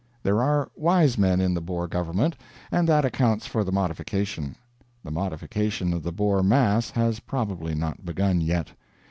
There are wise men in the Boer government, and that accounts for the modification; the modification of the Boer mass has probably not begun yet.